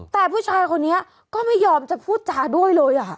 แต่ผู้ชายคนนี้ก็ไม่ยอมจะพูดจาด้วยเลย